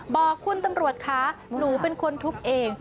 บอกคุณตำรวจคะหนูเป็นคนทุบเอง